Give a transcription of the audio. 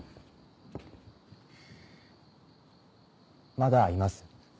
まだいます？